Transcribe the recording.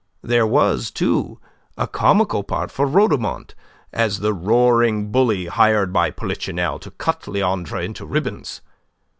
There was, too, a comical part for Rhodomont, as the roaring bully hired by Polichinelle to cut Leandre into ribbons.